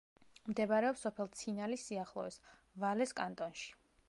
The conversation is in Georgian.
მდებარეობს სოფელ ცინალის სიახლოვეს, ვალეს კანტონში.